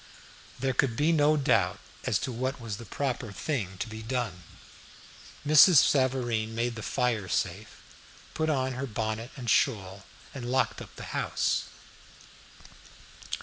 There could be no doubt as to what was the proper thing to be done. Mrs. Savareen made the fire safe, put on her bonnet and shawl and locked up the house.